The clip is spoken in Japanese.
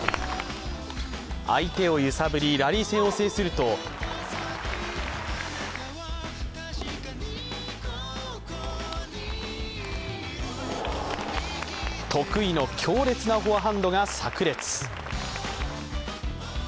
相手を揺さぶりラリー戦を揺さぶると得意の強烈なフォアハンドがさく裂。